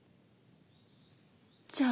じゃあ。